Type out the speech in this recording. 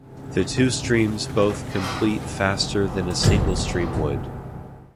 The two streams both complete faster than a single stream would.